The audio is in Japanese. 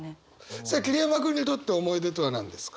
さあ桐山君にとって思い出とは何ですか？